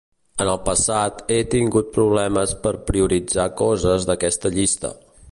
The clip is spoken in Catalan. En el passat he tingut problemes per prioritzar coses d'aquesta llista.